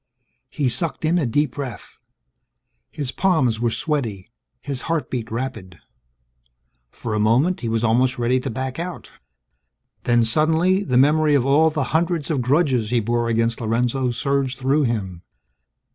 He sucked in a deep breath. His palms were sweaty; his heartbeat rapid. For a moment, he was almost ready to back out. Then suddenly, the memory of all the hundreds of grudges he bore against Lorenzo surged through him.